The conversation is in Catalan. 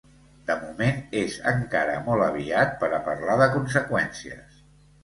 De moment, és encara molt aviat per a parlar de conseqüències.